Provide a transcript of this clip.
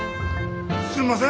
すんません